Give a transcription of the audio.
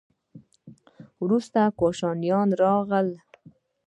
وروسته کوشانیان راغلل